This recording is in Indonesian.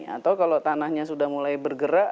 atau kalau tanahnya sudah mulai bergerak